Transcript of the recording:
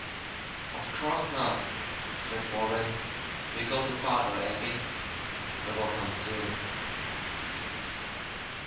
"Of course not," said Warren. "You go to father, Evvy. We will come soon."